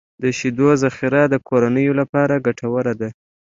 د شیدو ذخیره د کورنیو لپاره ګټوره ده.